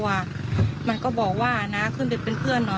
และที่สำคัญก็มีอาจารย์หญิงในอำเภอภูสิงอีกเหมือนกัน